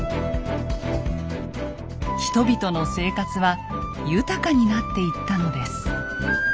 人々の生活は豊かになっていったのです。